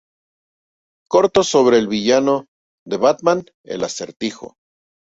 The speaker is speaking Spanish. Cortos sobre el villano de Batman, El Acertijo.